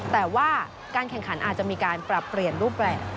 แต่ว่าการแข่งขันอาจจะมีการปรับเปลี่ยนรูปแบบ